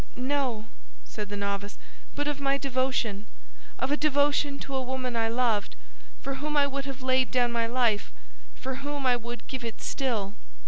"No," said the novice, "but of my devotion—of a devotion to a woman I loved, for whom I would have laid down my life, for whom I would give it still."